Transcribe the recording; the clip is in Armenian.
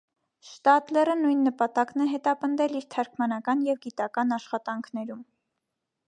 Շտադլերը նույն նպատակն է հետապնդել իր թարգմանական և գիտական աշխատանքներում։